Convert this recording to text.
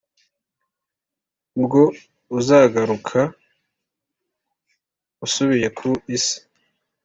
bwo uzagaruka usubiye ku isi